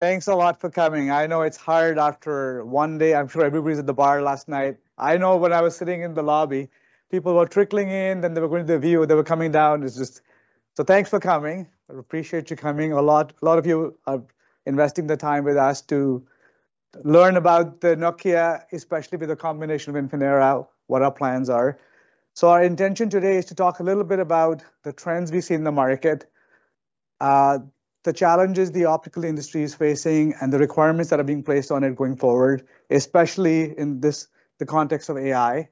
Thanks a lot for coming. I know it's hard after one day. I'm sure everybody's at the bar last night. I know when I was sitting in the lobby, people were trickling in, then they were going to the view, they were coming down. It's just—so thanks for coming. I appreciate you coming a lot. A lot of you are investing the time with us to learn about Nokia, especially with the combination of Infinera, what our plans are. Our intention today is to talk a little bit about the trends we see in the market, the challenges the optical industry is facing, and the requirements that are being placed on it going forward, especially in this context of AI.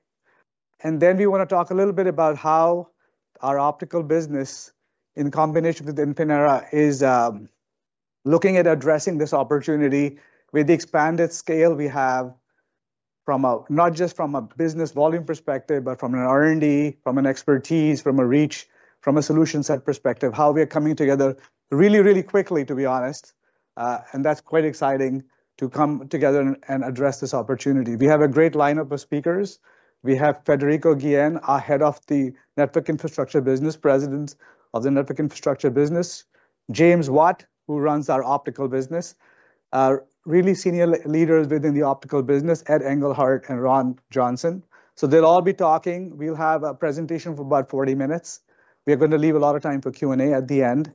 We want to talk a little bit about how our optical business, in combination with Infinera, is looking at addressing this opportunity with the expanded scale we have from not just a business volume perspective, but from an R&D, from an expertise, from a reach, from a solution set perspective, how we are coming together really, really quickly, to be honest. That is quite exciting to come together and address this opportunity. We have a great lineup of speakers. We have Federico Guillén, our President of the Network Infrastructure business; James Watt, who runs our optical business; really senior leaders within the optical business, Ed Englehart and Ron Johnson. They will all be talking. We will have a presentation for about 40 minutes. We are going to leave a lot of time for Q&A at the end.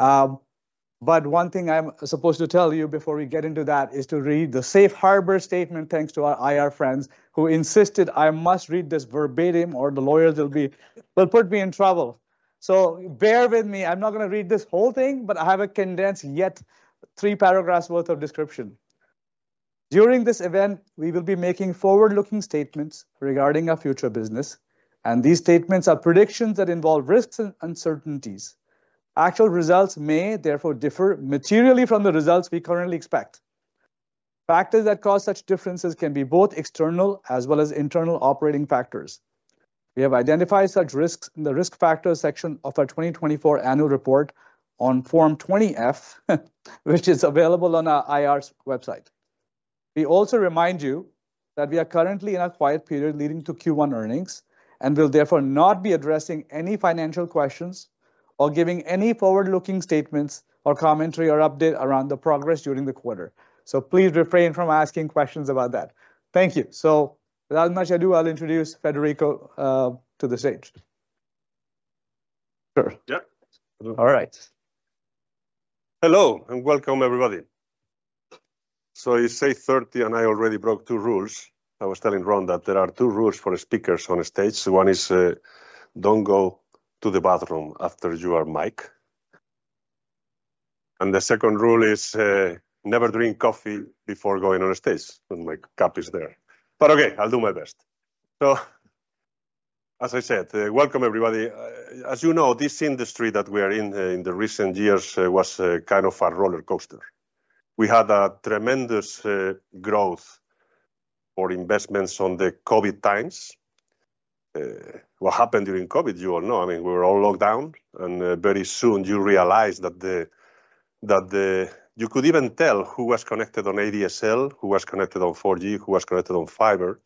One thing I'm supposed to tell you before we get into that is to read the safe harbor statement. Thanks to our IR friends who insisted I must read this verbatim, or the lawyers will put me in trouble. Bear with me. I'm not going to read this whole thing, but I have a condensed yet three-paragraphs worth of description. During this event, we will be making forward-looking statements regarding our future business. These statements are predictions that involve risks and uncertainties. Actual results may therefore differ materially from the results we currently expect. Factors that cause such differences can be both external as well as internal operating factors. We have identified such risks in the risk factors section of our 2024 annual report on Form 20F, which is available on our IR's website. We also remind you that we are currently in a quiet period leading to Q1 earnings and will therefore not be addressing any financial questions or giving any forward-looking statements or commentary or update around the progress during the quarter. Please refrain from asking questions about that. Thank you. Without much ado, I'll introduce Federico to the stage. Sure. Yeah. All right. Hello and welcome, everybody. It is 8:30, and I already broke two rules. I was telling Ron that there are two rules for speakers on a stage. One is do not go to the bathroom after you are mic'd. The second rule is never drink coffee before going on a stage when my cup is there. Okay, I will do my best. As I said, welcome, everybody. As you know, this industry that we are in in the recent years was kind of a roller coaster. We had tremendous growth for investments during the COVID times. What happened during COVID, you all know. I mean, we were all locked down. Very soon you realized that you could even tell who was connected on ADSL, who was connected on 4G, who was connected on fiber.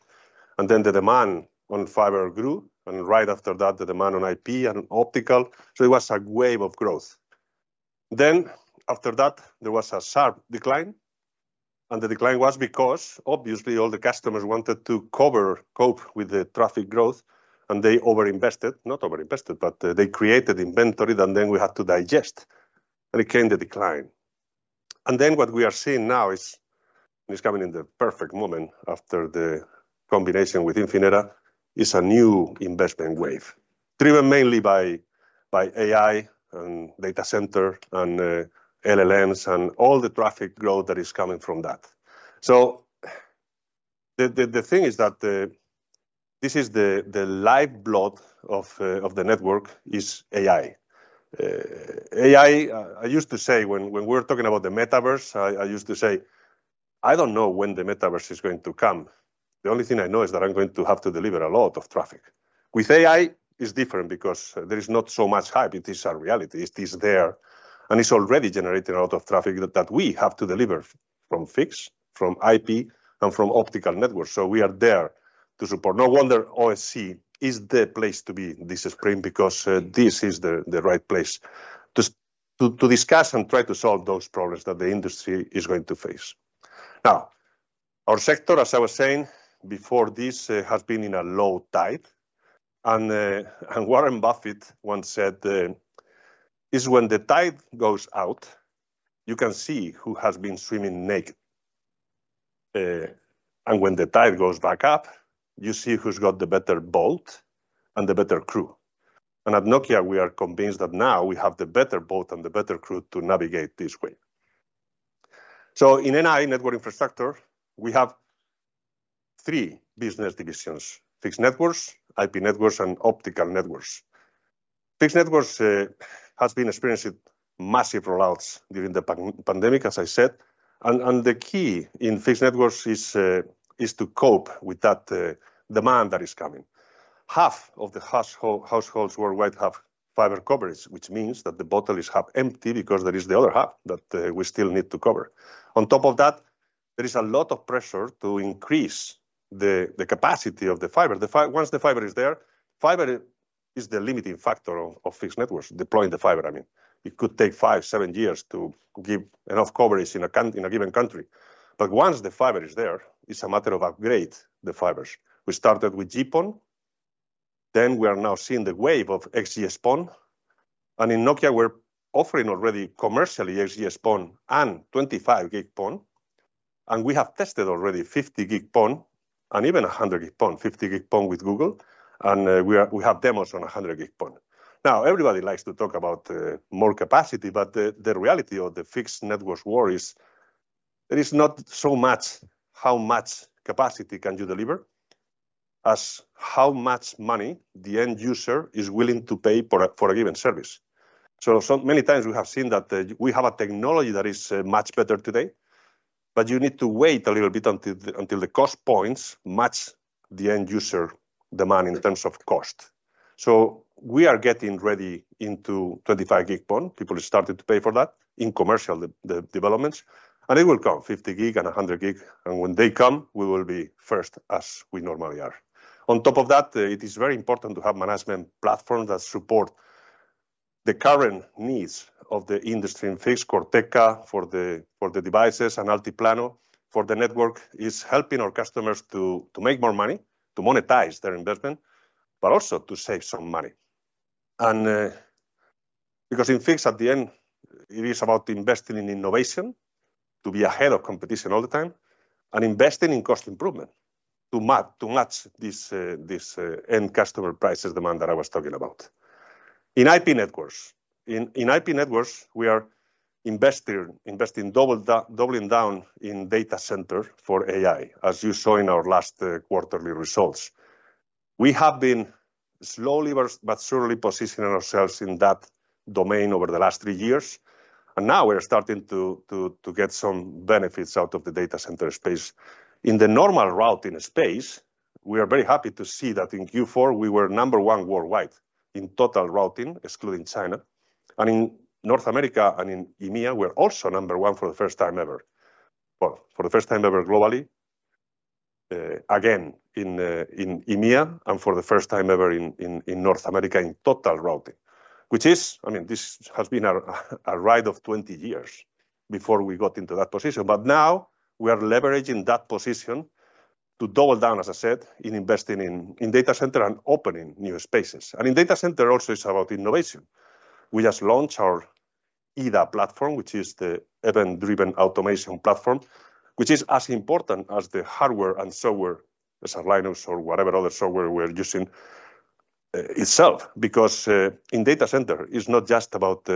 The demand on fiber grew. Right after that, the demand on IP and optical. It was a wave of growth. After that, there was a sharp decline. The decline was because, obviously, all the customers wanted to cope with the traffic growth. They overinvested—not overinvested, but they created inventory that then we had to digest. It came, the decline. What we are seeing now is—it is coming in the perfect moment after the combination with Infinera—a new investment wave driven mainly by AI and data center and LLMs and all the traffic growth that is coming from that. The thing is that this is the lifeblood of the network, is AI. AI, I used to say when we were talking about the metaverse, I used to say, I do not know when the metaverse is going to come. The only thing I know is that I'm going to have to deliver a lot of traffic. With AI, it's different because there is not so much hype. It is a reality. It is there. It's already generating a lot of traffic that we have to deliver from fixed, from IP, and from Optical Networks. We are there to support. No wonder OFC is the place to be this spring because this is the right place to discuss and try to solve those problems that the industry is going to face. Now, our sector, as I was saying before this, has been in a low tide. Warren Buffett once said, it's when the tide goes out, you can see who has been swimming naked. When the tide goes back up, you see who's got the better boat and the better crew. At Nokia, we are convinced that now we have the better boat and the better crew to navigate this way. In NI network infrastructure, we have three business divisions: fixed networks, IP networks, and optical networks. Fixed networks has been experiencing massive rollouts during the pandemic, as I said. The key in fixed networks is to cope with that demand that is coming. Half of the households worldwide have fiber coverage, which means that the bottle is half empty because there is the other half that we still need to cover. On top of that, there is a lot of pressure to increase the capacity of the fiber. Once the fiber is there, fiber is the limiting factor of fixed networks deploying the fiber. I mean, it could take five, seven years to give enough coverage in a given country. Once the fiber is there, it's a matter of upgrading the fibers. We started with GPON. We are now seeing the wave of XGS-PON. In Nokia, we're offering already commercially XGS-PON and 25G PON. We have tested already 50G PON and even 100G PON, 50G PON with Google. We have demos on 100G PON. Everybody likes to talk about more capacity, but the reality of the fixed networks war is it is not so much how much capacity you can deliver as how much money the end user is willing to pay for a given service. Many times we have seen that we have a technology that is much better today, but you need to wait a little bit until the cost points match the end user demand in terms of cost. We are getting ready into 25G PON. People started to pay for that in commercial developments. It will come 50G and 100G. When they come, we will be first as we normally are. On top of that, it is very important to have management platforms that support the current needs of the industry in fixed. Corteca for the devices and Altiplano for the network is helping our customers to make more money, to monetize their investment, but also to save some money. In fixed at the end, it is about investing in innovation to be ahead of competition all the time and investing in cost improvement to match this end customer prices demand that I was talking about. In IP Networks, we are investing, doubling down in data center for AI, as you saw in our last quarterly results. We have been slowly but surely positioning ourselves in that domain over the last three years. Now we're starting to get some benefits out of the data center space. In the normal routing space, we are very happy to see that in Q4 we were number one worldwide in total routing, excluding China. In North America and in EMEA, we're also number one for the first time ever, for the first time ever globally. Again, in EMEA and for the first time ever in North America in total routing, which is, I mean, this has been a ride of 20 years before we got into that position. Now we are leveraging that position to double down, as I said, in investing in data center and opening new spaces. In data center also it's about innovation. We just launched our EDA platform, which is the Event-Driven Automation Platform, which is as important as the hardware and software as a Linux or whatever other software we're using itself. Because in data center, it's not just about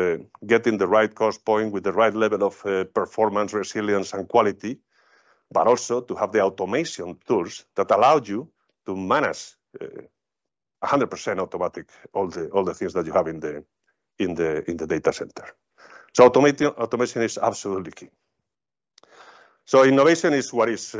getting the right cost point with the right level of performance, resilience, and quality, but also to have the automation tools that allow you to manage 100% automatic all the things that you have in the data center. Automation is absolutely key. Innovation is what is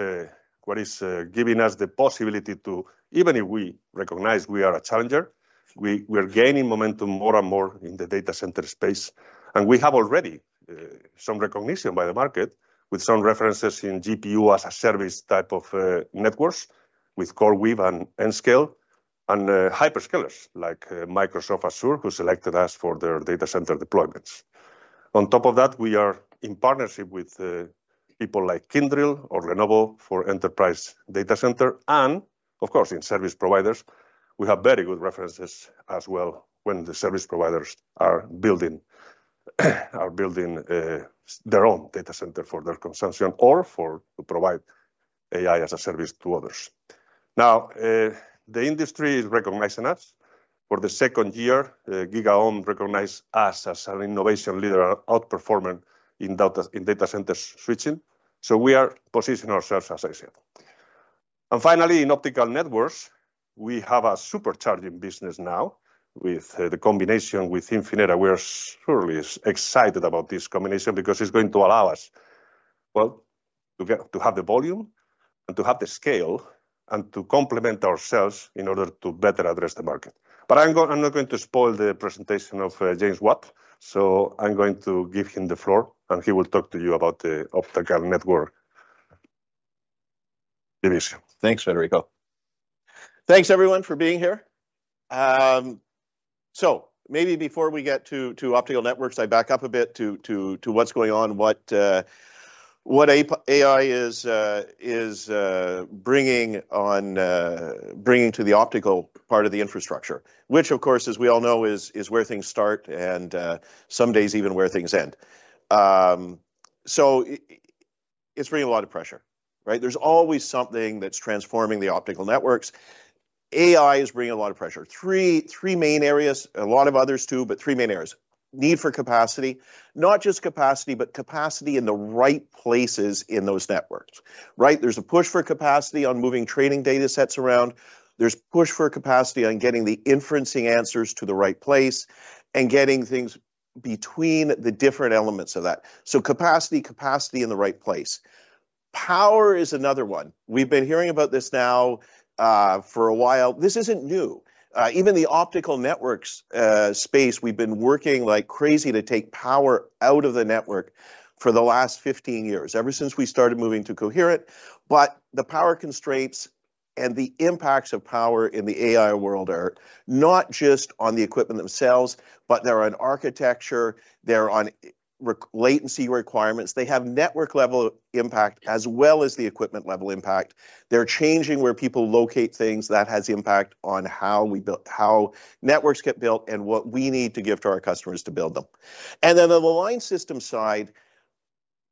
giving us the possibility to, even if we recognize we are a challenger, we are gaining momentum more and more in the data center space. We have already some recognition by the market with some references in GPU as a service type of networks with CoreWeave and Nscale and hyperscalers like Microsoft Azure, who selected us for their data center deployments. On top of that, we are in partnership with people like Kyndryl or Lenovo for enterprise data center. Of course, in service providers, we have very good references as well when the service providers are building their own data center for their consumption or to provide AI as a service to others. Now, the industry is recognizing us for the second year. GigaOm recognized us as an innovation leader, outperforming in data center switching. We are positioning ourselves as I said. Finally, in optical networks, we have a supercharging business now with the combination with Infinera. We are surely excited about this combination because it's going to allow us, well, to have the volume and to have the scale and to complement ourselves in order to better address the market. I'm not going to spoil the presentation of James Watt, so I'm going to give him the floor and he will talk to you about the optical network division. Thanks, Federico. Thanks, everyone, for being here. E. AI is bringing a lot of pressure. Three main areas, a lot of others too, but three main areas. Need for capacity, not just capacity, but capacity in the right places in those networks, right? There is a push for capacity on moving training data sets around. There is push for capacity on getting the inferencing answers to the right place and getting things between the different elements of that. Capacity, capacity in the right place. Power is another one. We've been hearing about this now for a while. This isn't new. Even the optical networks space, we've been working like crazy to take power out of the network for the last 15 years, ever since we started moving to Coherent. The power constraints and the impacts of power in the AI world are not just on the equipment themselves, but they're on architecture, they're on latency requirements. They have network-level impact as well as the equipment-level impact. They're changing where people locate things that has impact on how networks get built and what we need to give to our customers to build them. On the line system side,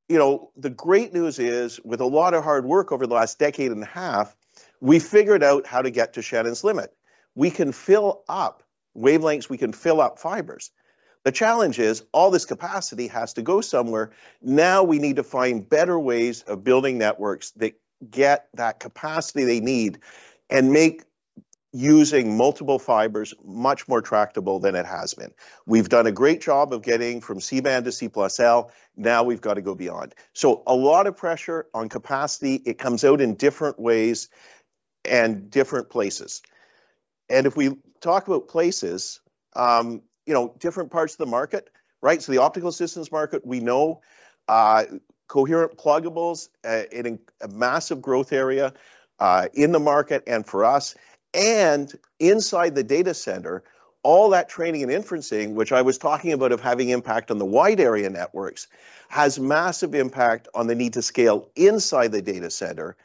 you know, the great news is with a lot of hard work over the last decade and a half, we figured out how to get to Shannon's limit. We can fill up wavelengths, we can fill up fibers. The challenge is all this capacity has to go somewhere. Now we need to find better ways of building networks that get that capacity they need and make using multiple fibers much more tractable than it has been. We've done a great job of getting from C band to C+L. Now we've got to go beyond. A lot of pressure on capacity. It comes out in different ways and different places. If we talk about places, you know, different parts of the market, right? The optical systems market, we know Coherent Pluggable is a massive growth area in the market and for us. Inside the data center, all that training and inferencing, which I was talking about of having impact on the wide area networks, has massive impact on the need to scale inside the data center.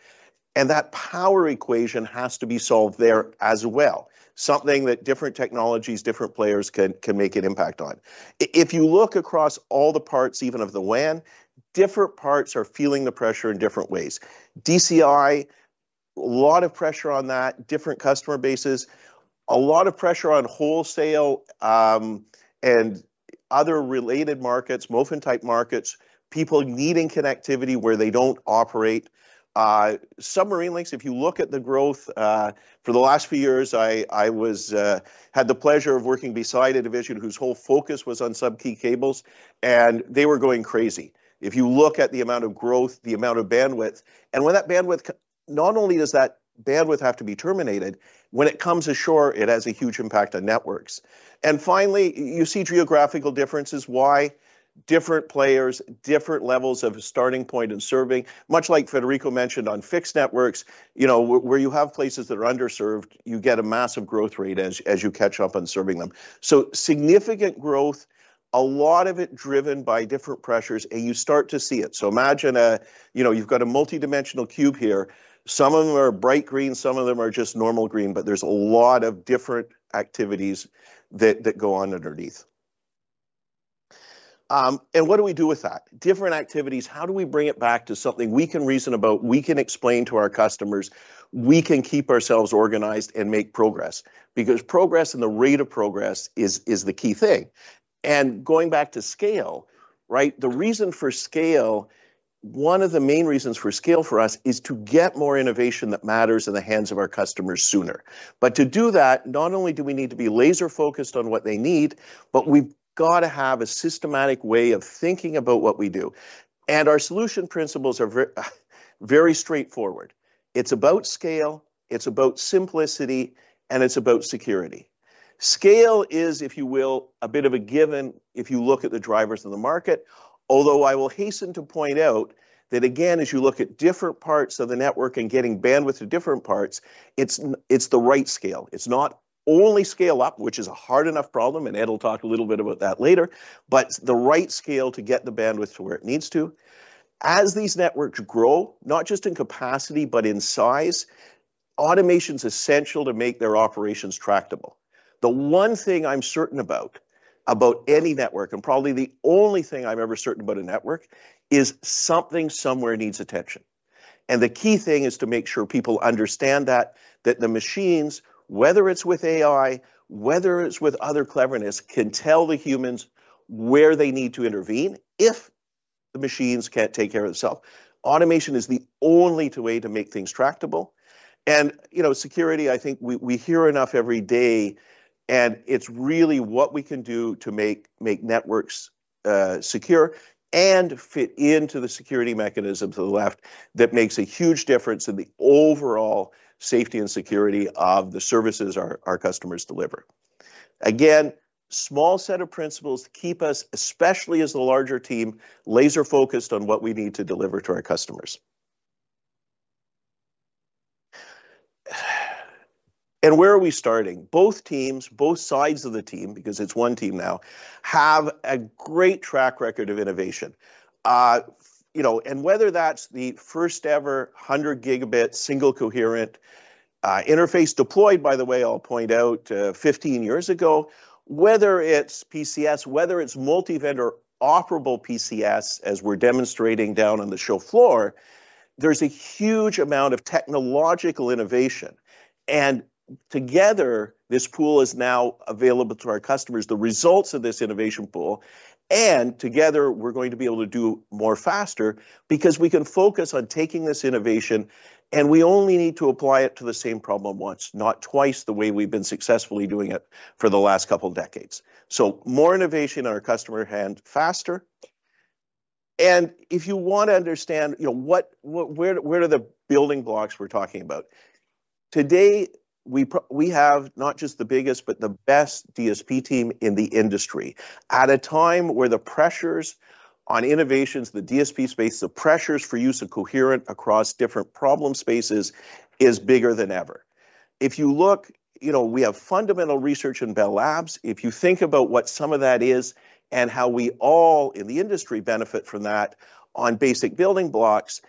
That power equation has to be solved there as well. Something that different technologies, different players can make an impact on. If you look across all the parts, even of the WAN, different parts are feeling the pressure in different ways. DCI, a lot of pressure on that, different customer bases, a lot of pressure on wholesale and other related markets, MOFN-type markets, people needing connectivity where they do not operate. Submarine links, if you look at the growth for the last few years, I had the pleasure of working beside a division whose whole focus was on subsea cables, and they were going crazy. If you look at the amount of growth, the amount of bandwidth, and when that bandwidth, not only does that bandwidth have to be terminated, when it comes ashore, it has a huge impact on networks. Finally, you see geographical differences, why different players, different levels of starting point and serving, much like Federico mentioned on fixed networks, you know, where you have places that are underserved, you get a massive growth rate as you catch up on serving them. Significant growth, a lot of it driven by different pressures, and you start to see it. Imagine a, you know, you've got a multidimensional cube here. Some of them are bright green, some of them are just normal green, but there's a lot of different activities that go on underneath. What do we do with that? Different activities, how do we bring it back to something we can reason about, we can explain to our customers, we can keep ourselves organized and make progress? Progress and the rate of progress is the key thing. Going back to scale, right? The reason for scale, one of the main reasons for scale for us is to get more innovation that matters in the hands of our customers sooner. To do that, not only do we need to be laser-focused on what they need, but we've got to have a systematic way of thinking about what we do. Our solution principles are very straightforward. It's about scale, it's about simplicity, and it's about security. Scale is, if you will, a bit of a given if you look at the drivers of the market. Although I will hasten to point out that, again, as you look at different parts of the network and getting bandwidth to different parts, it's the right scale. It's not only scale up, which is a hard enough problem, and Ed will talk a little bit about that later, but the right scale to get the bandwidth to where it needs to. As these networks grow, not just in capacity, but in size, automation is essential to make their operations tractable. The one thing I'm certain about, about any network, and probably the only thing I'm ever certain about a network, is something somewhere needs attention. The key thing is to make sure people understand that the machines, whether it's with AI, whether it's with other cleverness, can tell the humans where they need to intervene if the machines can't take care of themselves. Automation is the only way to make things tractable. You know, security, I think we hear enough every day, and it's really what we can do to make networks secure and fit into the security mechanisms of the left that makes a huge difference in the overall safety and security of the services our customers deliver. Again, small set of principles to keep us, especially as the larger team, laser-focused on what we need to deliver to our customers. Where are we starting? Both teams, both sides of the team, because it's one team now, have a great track record of innovation. You know, and whether that's the first-ever 100 Gb single coherent interface deployed, by the way, I'll point out 15 years ago, whether it's PCS, whether it's multi-vendor operable PCS, as we're demonstrating down on the show floor, there's a huge amount of technological innovation. Together, this pool is now available to our customers, the results of this innovation pool. Together, we're going to be able to do more faster because we can focus on taking this innovation, and we only need to apply it to the same problem once, not twice the way we've been successfully doing it for the last couple of decades. More innovation on our customer hand faster. If you want to understand, you know, where are the building blocks we're talking about? Today, we have not just the biggest, but the best DSP team in the industry at a time where the pressures on innovations, the DSP space, the pressures for use of Coherent across different problem spaces is bigger than ever. If you look, you know, we have fundamental research in Bell Labs. If you think about what some of that is and how we all in the industry benefit from that on basic building blocks,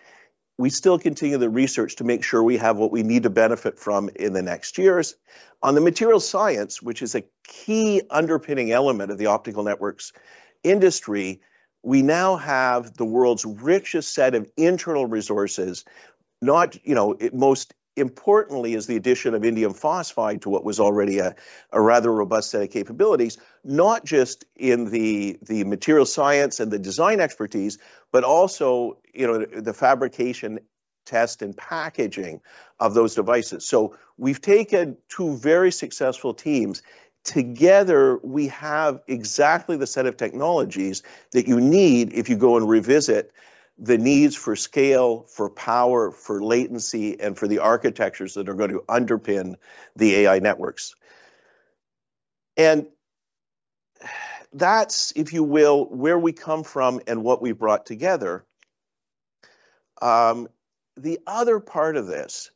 we still continue the research to make sure we have what we need to benefit from in the next years. On the material science, which is a key underpinning element of the optical networks industry, we now have the world's richest set of internal resources, not, you know, most importantly is the addition of indium phosphide to what was already a rather robust set of capabilities, not just in the material science and the design expertise, but also, you know, the fabrication, test, and packaging of those devices. We have taken two very successful teams. Together, we have exactly the set of technologies that you need if you go and revisit the needs for scale, for power, for latency, and for the architectures that are going to underpin the AI networks. That is, if you will, where we come from and what we brought together. The other part of this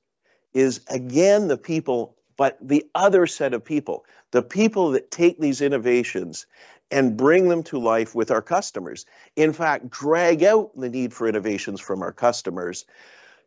is, again, the people, but the other set of people, the people that take these innovations and bring them to life with our customers, in fact, drag out the need for innovations from our customers,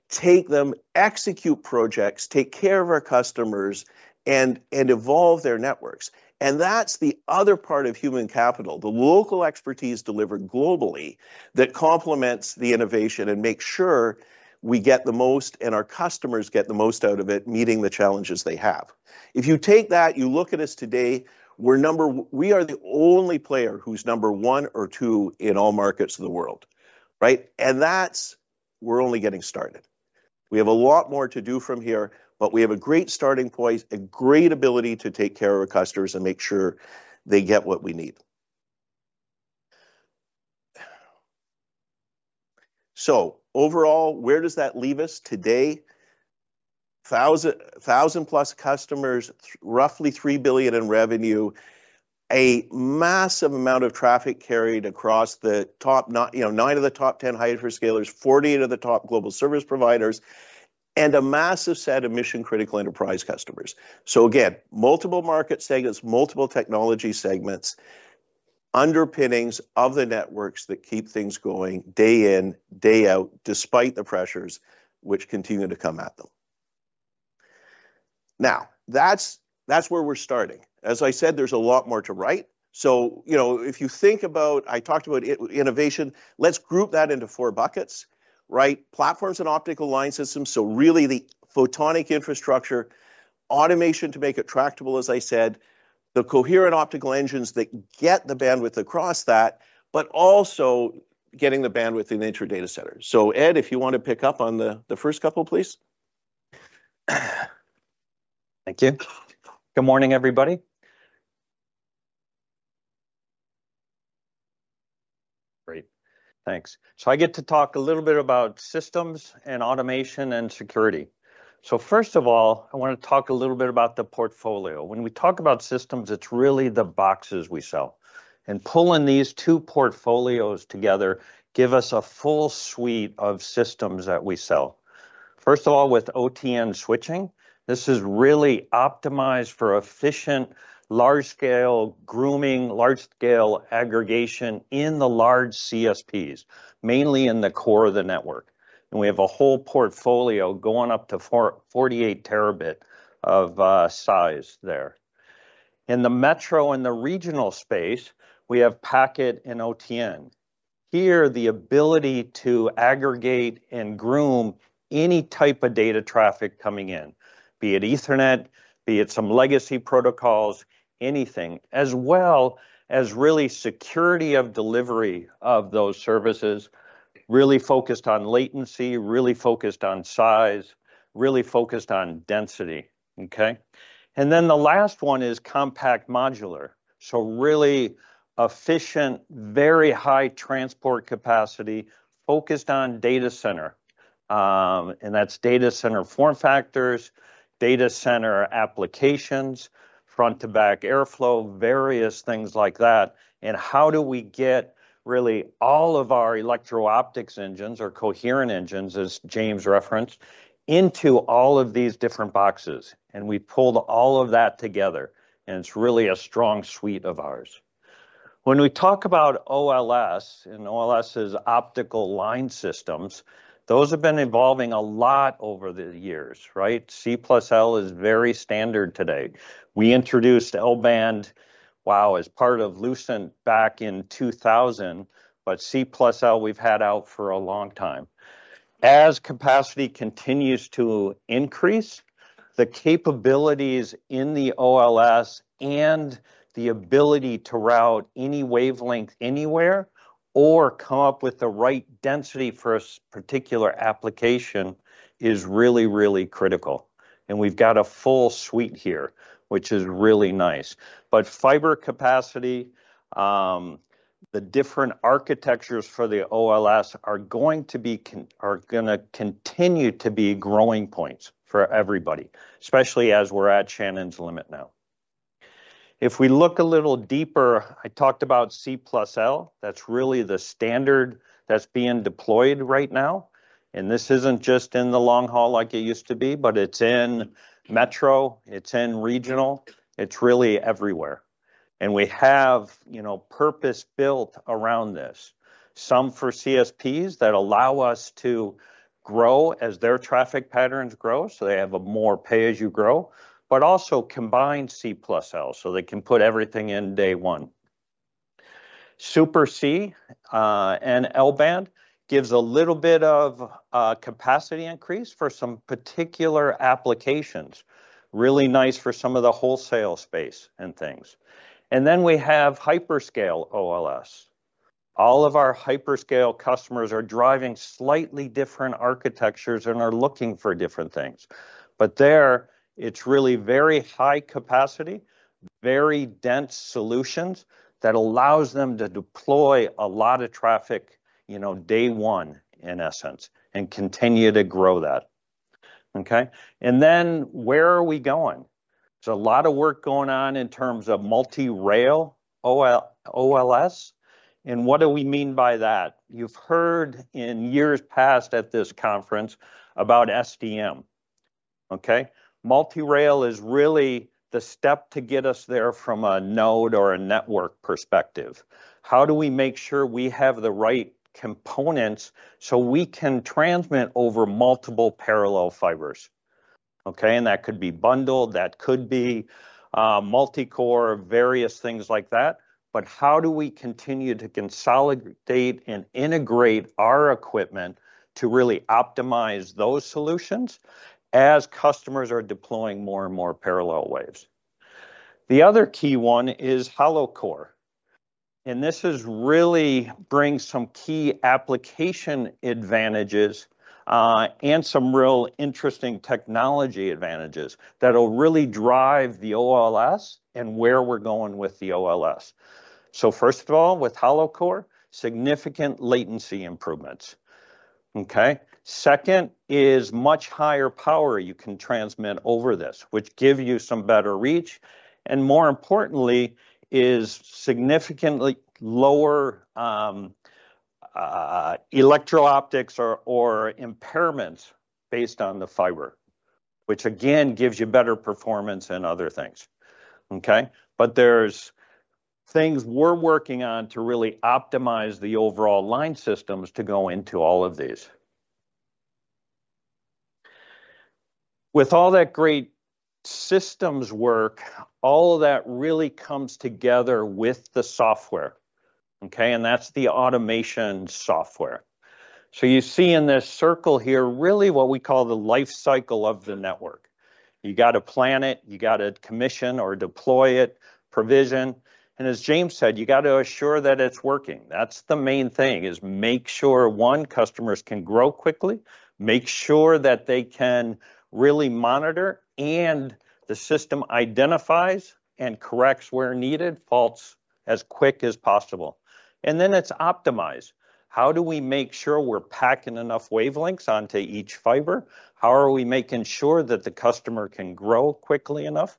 take them, execute projects, take care of our customers, and evolve their networks. That is the other part of human capital, the local expertise delivered globally that complements the innovation and makes sure we get the most and our customers get the most out of it, meeting the challenges they have. If you take that, you look at us today, we're number, we are the only player who's number one or two in all markets of the world, right? That's, we're only getting started. We have a lot more to do from here, but we have a great starting point, a great ability to take care of our customers and make sure they get what we need. Overall, where does that leave us today? Thousand plus customers, roughly $3 billion in revenue, a massive amount of traffic carried across the top, you know, nine of the top 10 hyperscalers, 48 of the top global service providers, and a massive set of mission-critical enterprise customers. Again, multiple market segments, multiple technology segments, underpinnings of the networks that keep things going day in, day out, despite the pressures which continue to come at them. Now, that's where we're starting. As I said, there's a lot more to write. So, you know, if you think about, I talked about innovation, let's group that into four buckets, right? Platforms and optical line systems. Really the photonic infrastructure, automation to make it tractable, as I said, the coherent optical engines that get the bandwidth across that, but also getting the bandwidth in the inter-data centers. Ed, if you want to pick up on the first couple, please. Thank you. Good morning, everybody. Great. Thanks. I get to talk a little bit about systems and automation and security. First of all, I want to talk a little bit about the portfolio. When we talk about systems, it's really the boxes we sell. Pulling these two portfolios together gives us a full suite of systems that we sell. First of all, with OTN switching, this is really optimized for efficient large-scale grooming, large-scale aggregation in the large CSPs, mainly in the core of the network. We have a whole portfolio going up to 48Tb of size there. In the metro and the regional space, we have packet and OTN. Here, the ability to aggregate and groom any type of data traffic coming in, be it Ethernet, be it some legacy protocols, anything, as well as really security of delivery of those services, really focused on latency, really focused on size, really focused on density, okay? The last one is compact modular. Really efficient, very high transport capacity, focused on data center. That is data center form factors, data center applications, front-to-back airflow, various things like that. How do we get really all of our electro-optics engines or coherent engines, as James referenced, into all of these different boxes? We pulled all of that together. It is really a strong suite of ours. When we talk about OLS, and OLS is optical line systems, those have been evolving a lot over the years, right? C+L is very standard today. We introduced L-Band, wow, as part of Lucent back in 2000, but C+L we have had out for a long time. As capacity continues to increase, the capabilities in the OLS and the ability to route any wavelength anywhere or come up with the right density for a particular application is really, really critical. We have got a full suite here, which is really nice. Fiber capacity, the different architectures for the OLS are going to continue to be growing points for everybody, especially as we're at Shannon's limit now. If we look a little deeper, I talked about C+L. That's really the standard that's being deployed right now. This isn't just in the long haul like it used to be, but it's in metro, it's in regional, it's really everywhere. We have, you know, purpose built around this. Some for CSPs that allow us to grow as their traffic patterns grow, so they have a more pay as you grow, but also combined C+L, so they can put everything in day one. Super C and L-Band gives a little bit of capacity increase for some particular applications. Really nice for some of the wholesale space and things. We have hyperscale OLS. All of our hyperscale customers are driving slightly different architectures and are looking for different things. There, it's really very high capacity, very dense solutions that allows them to deploy a lot of traffic, you know, day one in essence, and continue to grow that. Okay? Where are we going? There's a lot of work going on in terms of multi-rail OLS. What do we mean by that? You've heard in years past at this conference about SDM, okay? Multi-rail is really the step to get us there from a node or a network perspective. How do we make sure we have the right components so we can transmit over multiple parallel fibers? Okay? That could be bundled, that could be multicore, various things like that. How do we continue to consolidate and integrate our equipment to really optimize those solutions as customers are deploying more and more parallel waves? The other key one is Hollow Core. This really brings some key application advantages and some real interesting technology advantages that will really drive the OLS and where we're going with the OLS. First of all, with Hollow Core, significant latency improvements. Okay? Second is much higher power you can transmit over this, which gives you some better reach. More importantly, is significantly lower electro-optics or impairments based on the fiber, which again gives you better performance and other things. Okay? There are things we're working on to really optimize the overall line systems to go into all of these. With all that great systems work, all of that really comes together with the software. Okay? That's the automation software. You see in this circle here really what we call the life cycle of the network. You got to plan it, you got to commission or deploy it, provision. As James said, you got to assure that it's working. The main thing is make sure one, customers can grow quickly, make sure that they can really monitor and the system identifies and corrects where needed, faults as quick as possible. Then it's optimize. How do we make sure we're packing enough wavelengths onto each fiber? How are we making sure that the customer can grow quickly enough?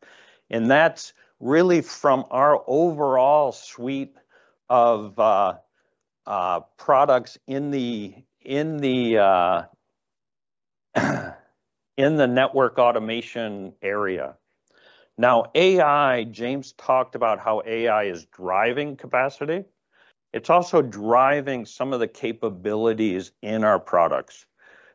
That's really from our overall suite of products in the network automation area. Now, AI, James talked about how AI is driving capacity. It's also driving some of the capabilities in our products.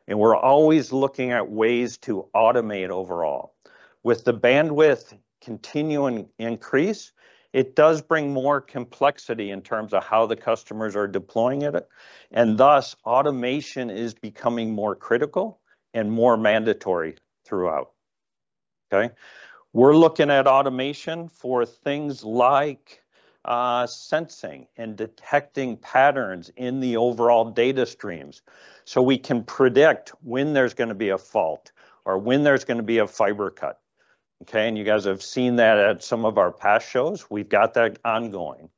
We're always looking at ways to automate overall. With the bandwidth continuing to increase, it does bring more complexity in terms of how the customers are deploying it. Thus, automation is becoming more critical and more mandatory throughout. Okay? We're looking at automation for things like sensing and detecting patterns in the overall data streams so we can predict when there's going to be a fault or when there's going to be a fiber cut. Okay? You guys have seen that at some of our past shows. We've got that ongoing.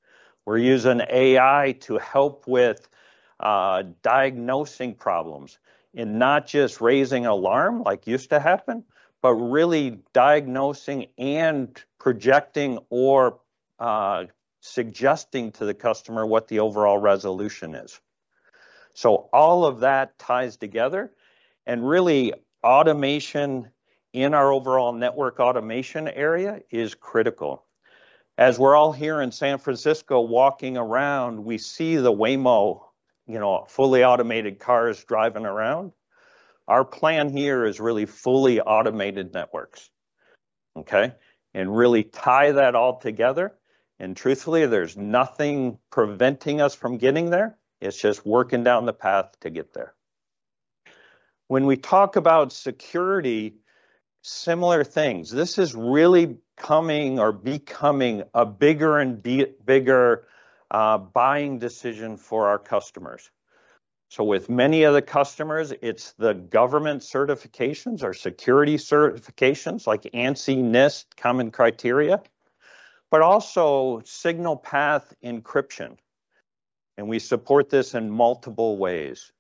We're using AI to help with diagnosing problems and not just raising alarms like used to happen, but really diagnosing and projecting or suggesting to the customer what the overall resolution is. All of that ties together. Really, automation in our overall network automation area is critical. As we're all here in San Francisco walking around, we see the Waymo, you know, fully automated cars driving around. Our plan here is really fully automated networks. Okay? And really tie that all together. Truthfully, there's nothing preventing us from getting there. It's just working down the path to get there. When we talk about security, similar things. This is really coming or becoming a bigger and bigger buying decision for our customers. With many of the customers, it's the government certifications or security certifications like ANSI, NIST, common criteria, but also signal path encryption. We support this in multiple ways.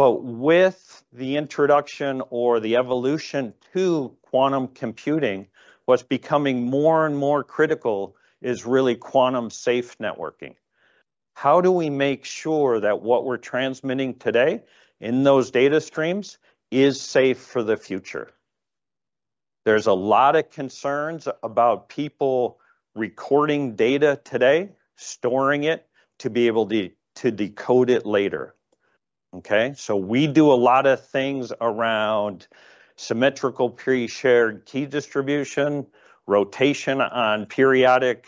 With the introduction or the evolution to quantum computing, what's becoming more and more critical is really quantum safe networking. How do we make sure that what we're transmitting today in those data streams is safe for the future? There's a lot of concerns about people recording data today, storing it to be able to decode it later. Okay? We do a lot of things around symmetrical pre-shared key distribution, rotation on periodic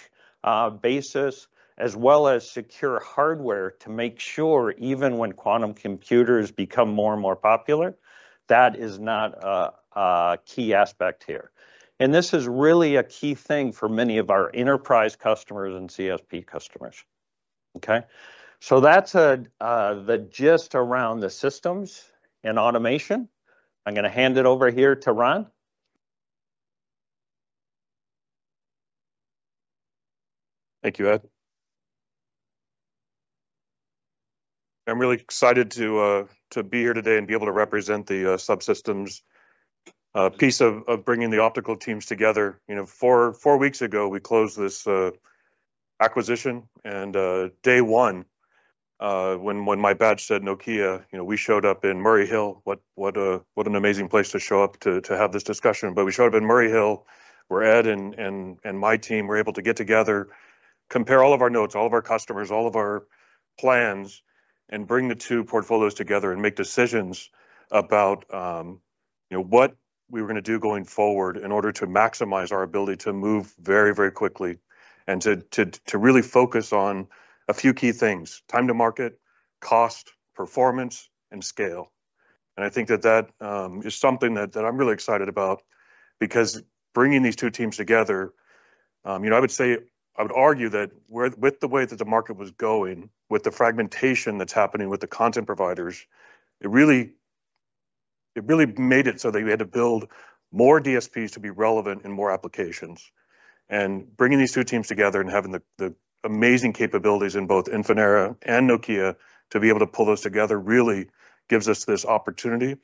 basis, as well as secure hardware to make sure even when quantum computers become more and more popular, that is not a key aspect here. This is really a key thing for many of our enterprise customers and CSP customers. Okay? That's the gist around the systems and automation. I'm going to hand it over here to Ron. Thank you, Ed. I'm really excited to be here today and be able to represent the subsystems piece of bringing the optical teams together. You know, four weeks ago, we closed this acquisition. Day one, when my badge said Nokia, you know, we showed up in Murray Hill. What an amazing place to show up to have this discussion. We showed up in Murray Hill, where Ed and my team were able to get together, compare all of our notes, all of our customers, all of our plans, and bring the two portfolios together and make decisions about what we were going to do going forward in order to maximize our ability to move very, very quickly and to really focus on a few key things: time to market, cost, performance, and scale. I think that that is something that I'm really excited about because bringing these two teams together, you know, I would say, I would argue that with the way that the market was going, with the fragmentation that's happening with the content providers, it really made it so that we had to build more DSPs to be relevant in more applications. Bringing these two teams together and having the amazing capabilities in both Infinera and Nokia to be able to pull those together really gives us this opportunity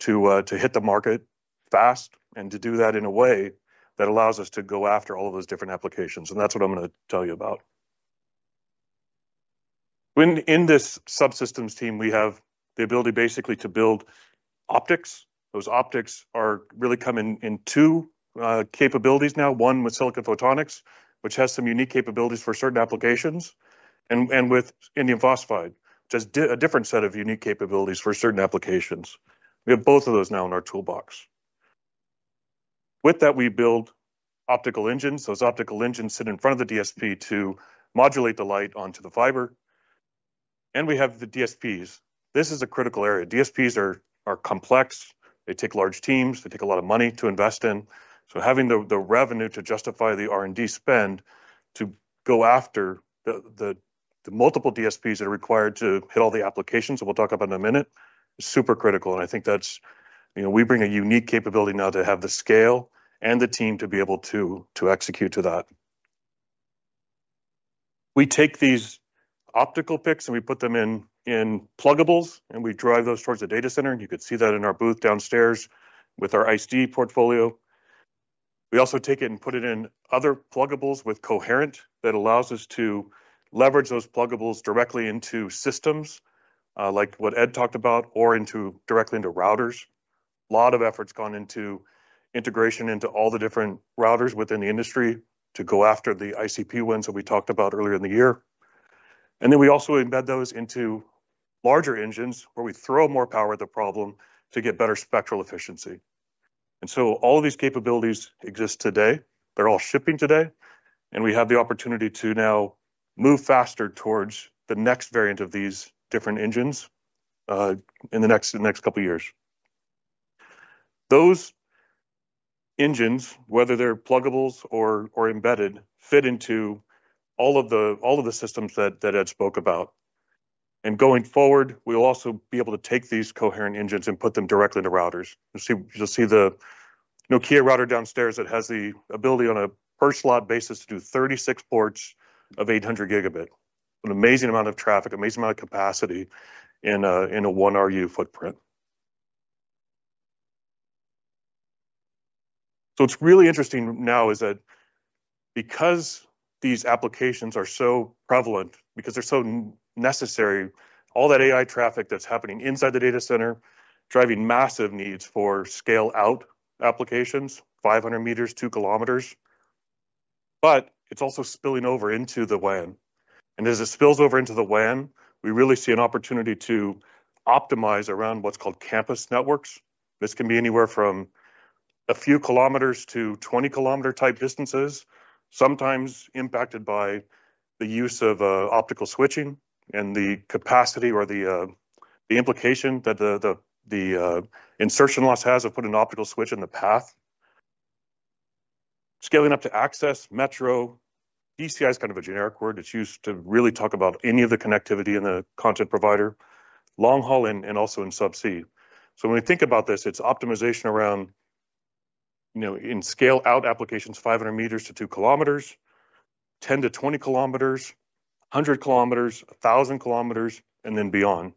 to hit the market fast and to do that in a way that allows us to go after all of those different applications. That is what I'm going to tell you about. In this subsystems team, we have the ability basically to build optics. Those optics are really coming in two capabilities now. One with silicon photonics, which has some unique capabilities for certain applications, and with indium phosphide, just a different set of unique capabilities for certain applications. We have both of those now in our toolbox. With that, we build optical engines. Those optical engines sit in front of the DSP to modulate the light onto the fiber. We have the DSPs. This is a critical area. DSPs are complex. They take large teams. They take a lot of money to invest in. Having the revenue to justify the R&D spend to go after the multiple DSPs that are required to hit all the applications that we'll talk about in a minute is super critical. I think that's, you know, we bring a unique capability now to have the scale and the team to be able to execute to that. We take these optical picks and we put them in pluggables, and we drive those towards the data center. You could see that in our booth downstairs with our ICE-D portfolio. We also take it and put it in other pluggables with Coherent that allows us to leverage those pluggables directly into systems like what Ed talked about or directly into routers. A lot of effort's gone into integration into all the different routers within the industry to go after the ICP ones that we talked about earlier in the year. We also embed those into larger engines where we throw more power at the problem to get better spectral efficiency. All of these capabilities exist today. They're all shipping today. We have the opportunity to now move faster towards the next variant of these different engines in the next couple of years. Those engines, whether they're pluggables or embedded, fit into all of the systems that Ed spoke about. Going forward, we'll also be able to take these Coherent engines and put them directly into routers. You'll see the Nokia router downstairs that has the ability on a per slot basis to do 36 ports of 800 Gb. An amazing amount of traffic, amazing amount of capacity in a one RU footprint. What is really interesting now is that because these applications are so prevalent, because they're so necessary, all that AI traffic that's happening inside the data center driving massive needs for scale-out applications, 500 meters, 2. It is also spilling over into the WAN. As it spills over into the WAN, we really see an opportunity to optimize around what is called campus networks. This can be anywhere from a few km to 20-kilometer type distances, sometimes impacted by the use of optical switching and the capacity or the implication that the insertion loss has of putting an optical switch in the path. Scaling up to access, metro, DCI is kind of a generic word. It is used to really talk about any of the connectivity in the content provider, long haul and also in subsea. When we think about this, it's optimization around, you know, in scale-out applications, 500 meters to 2 km, 10-20 km, 100 km, 1,000 km, and then beyond.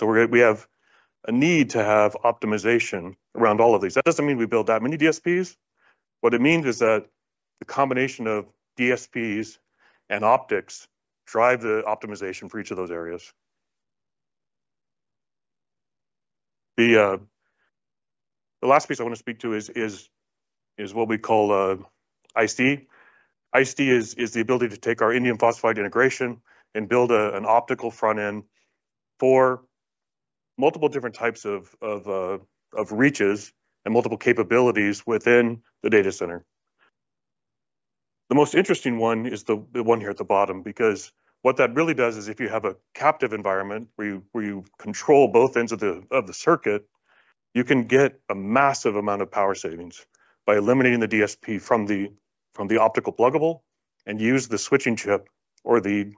We have a need to have optimization around all of these. That doesn't mean we build that many DSPs. What it means is that the combination of DSPs and optics drive the optimization for each of those areas. The last piece I want to speak to is what we call ISD. ISD is the ability to take our indium phosphide integration and build an optical front end for multiple different types of reaches and multiple capabilities within the data center. The most interesting one is the one here at the bottom because what that really does is if you have a captive environment where you control both ends of the circuit, you can get a massive amount of power savings by eliminating the DSP from the optical pluggable and use the switching chip or the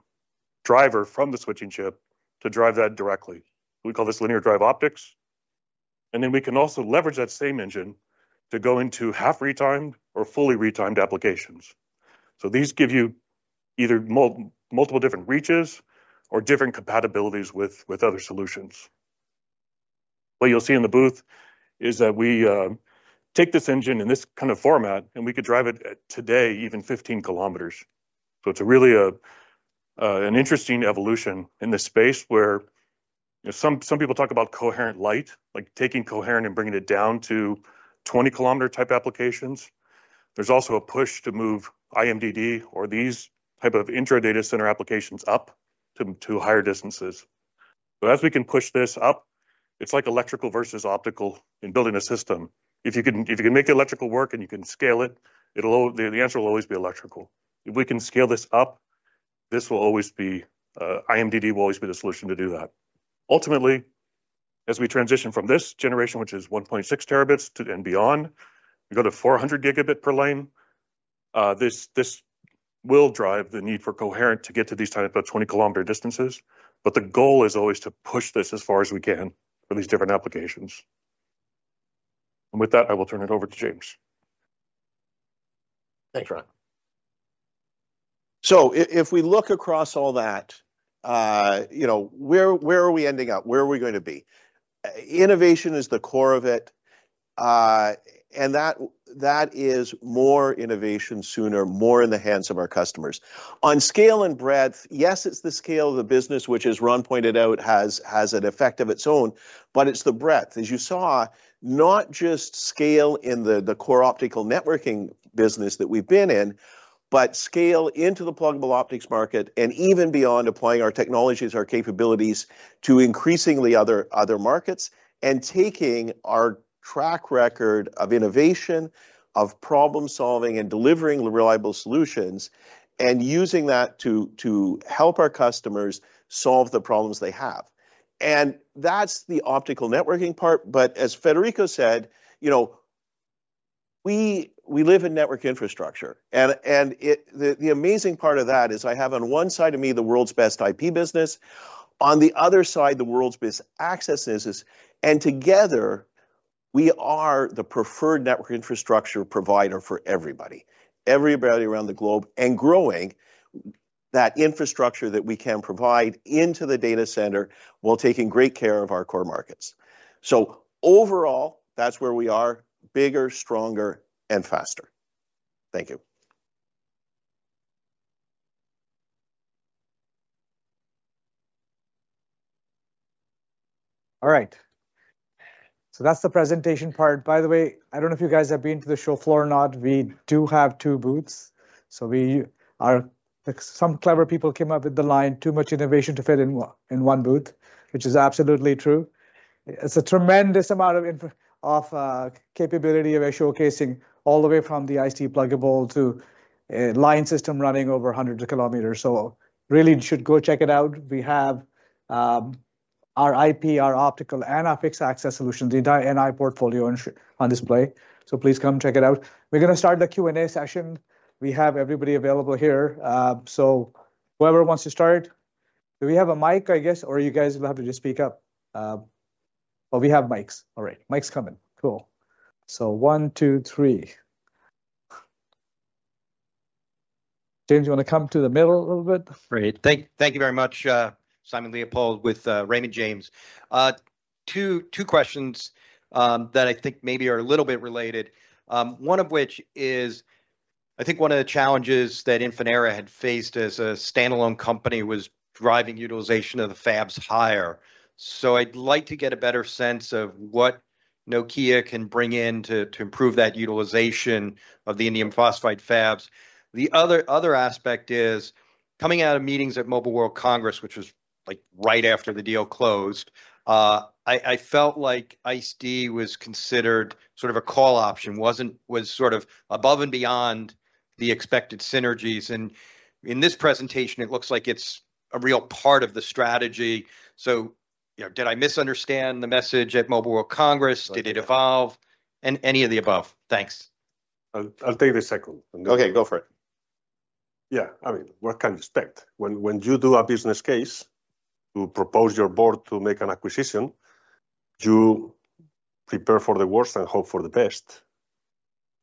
driver from the switching chip to drive that directly. We call this linear drive optics. We can also leverage that same engine to go into half-retimed or fully retimed applications. These give you either multiple different reaches or different compatibilities with other solutions. What you'll see in the booth is that we take this engine in this kind of format and we could drive it today even 15 km. It is really an interesting evolution in this space where some people talk about coherent light, like taking coherent and bringing it down to 20-kilometer type applications. There is also a push to move IMDD or these type of intra-data center applications up to higher distances. As we can push this up, it is like electrical versus optical in building a system. If you can make the electrical work and you can scale it, the answer will always be electrical. If we can scale this up, this will always be IMDD will always be the solution to do that. Ultimately, as we transition from this generation, which is 1.6 Tb and beyond, we go to 400 Gb per lane. This will drive the need for coherent to get to these type of 20-kilometer distances. The goal is always to push this as far as we can for these different applications. With that, I will turn it over to James. Thanks, Ron. If we look across all that, you know, where are we ending up? Where are we going to be? Innovation is the core of it. That is more innovation sooner, more in the hands of our customers. On scale and breadth, yes, it's the scale of the business, which, as Ron pointed out, has an effect of its own. It's the breadth, as you saw, not just scale in the core optical networking business that we've been in, but scale into the pluggable optics market and even beyond applying our technologies, our capabilities to increasingly other markets and taking our track record of innovation, of problem-solving and delivering reliable solutions and using that to help our customers solve the problems they have. That's the optical networking part. As Federico said, you know, we live in network infrastructure. The amazing part of that is I have on one side of me the world's best IP business. On the other side, the world's best access business. Together, we are the preferred network infrastructure provider for everybody, everybody around the globe and growing that infrastructure that we can provide into the data center while taking great care of our core markets. Overall, that's where we are, bigger, stronger, and faster. Thank you. All right. That's the presentation part. By the way, I don't know if you guys have been to the show floor or not. We do have two booths. Some clever people came up with the line, "Too much innovation to fit in one booth," which is absolutely true. It's a tremendous amount of capability of showcasing all the way from the ICE-D pluggable to line system running over hundreds of km. Really, you should go check it out. We have our IP, our optical, and our fixed access solutions, the entire NI portfolio on display. Please come check it out. We're going to start the Q&A session. We have everybody available here. Whoever wants to start. Do we have a mic, I guess, or you guys will have to just speak up? We have mics. All right. Mic's coming. Cool. One, two, three. James, you want to come to the middle a little bit? Great. Thank you very much, Simon Leopold, with Raymond James. Two questions that I think maybe are a little bit related, one of which is, I think one of the challenges that Infinera had faced as a standalone company was driving utilization of the fabs higher. I would like to get a better sense of what Nokia can bring in to improve that utilization of the indium phosphide fabs. The other aspect is coming out of meetings at Mobile World Congress, which was right after the deal closed, I felt like ICE-D was considered sort of a call option, was sort of above and beyond the expected synergies. In this presentation, it looks like it is a real part of the strategy. Did I misunderstand the message at Mobile World Congress? Did it evolve? Any of the above? Thanks. I will take the second. Okay, go for it. Yeah. I mean, what can you expect? When you do a business case to propose your board to make an acquisition, you prepare for the worst and hope for the best.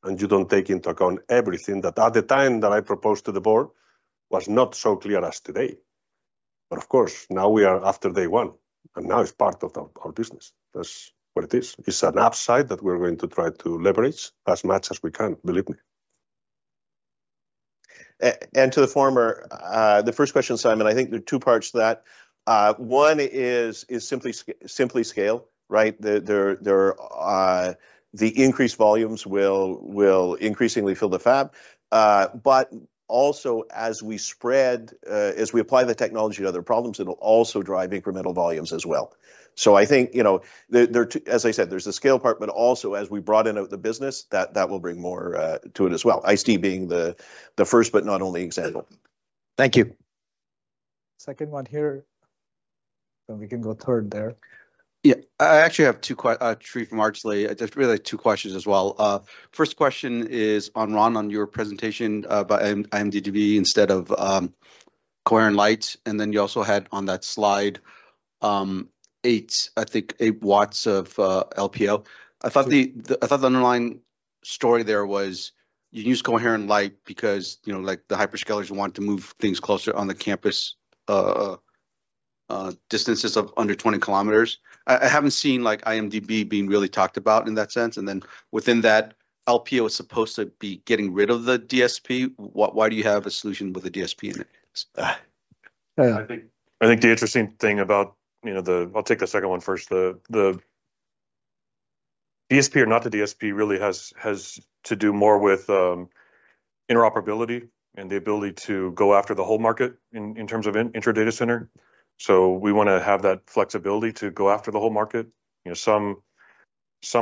You do not take into account everything that at the time that I proposed to the board was not so clear as today. Of course, now we are after day one. Now it is part of our business. That is what it is. It is an upside that we are going to try to leverage as much as we can, believe me. To the former, the first question, Simon, I think there are two parts to that. One is simply scale, right? The increased volumes will increasingly fill the fab. Also, as we spread, as we apply the technology to other problems, it will also drive incremental volumes as well. I think, as I said, there's the scale part, but also as we broaden out the business, that will bring more to it as well. ICE-D being the first, but not only example. Thank you. Second one here. Then we can go third there. Yeah. I actually have two questions. I just really have two questions as well. First question is on Ron, on your presentation about IMDD instead of Coherent Lite. And then you also had on that slide eight, I think, eight watts of LPO. I thought the underlying story there was you use Coherent Lite because the hyperscalers want to move things closer on the campus distances of under 20 km. I haven't seen IMDD being really talked about in that sense. And then within that, LPO is supposed to be getting rid of the DSP. Why do you have a solution with a DSP in it? I think the interesting thing about the—I will take the second one first. The DSP or not the DSP really has to do more with interoperability and the ability to go after the whole market in terms of intra-data center. We want to have that flexibility to go after the whole market. Some